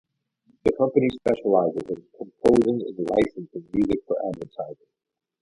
The company specialises in composing and licensing music for advertising.